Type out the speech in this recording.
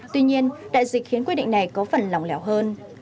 tuy nhiên đại dịch khiến quy định này có phần lòng lẻo hơn